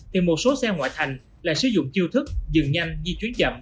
thì một số xe ngoại thành lại sử dụng chiêu thức dừng nhanh di chuyển chậm